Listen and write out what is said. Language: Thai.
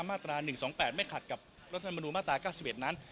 มาตรา๑๒๘ไม่ขัดกับรัฐธรรมนูลมาตรา๙๑นั้น